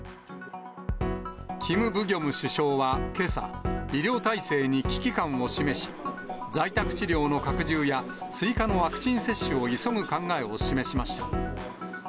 キム・ブギョム首相はけさ、医療体制に危機感を示し、在宅治療の拡充や、追加のワクチン接種を急ぐ考えを示しました。